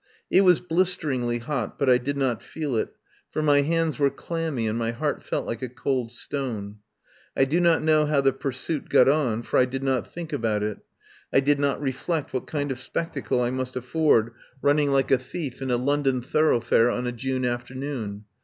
It was blisteringly hot, but I did not feel it, for my hands were clammy and my heart felt like a cold stone. I do not know how the pursuit got on, for I did not think of it. I did not reflect what kind of spectacle I must afford running like 177 THE POWER HOUSE a thief in a London thoroughfare on a June afternoon.